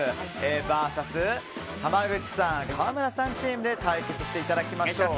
ＶＳ濱口さん・川村さんチームで対決していただきましょう。